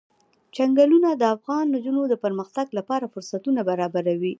چنګلونه د افغان نجونو د پرمختګ لپاره فرصتونه برابروي.